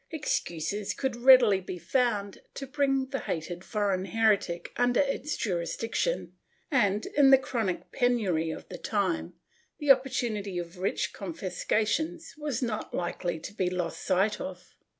Excuses could readily be found to bring the hated for eign heretic under its jurisdiction and, in the chronic penury of the time, the opportunity of rich confiscations was not likely to be lost sight of.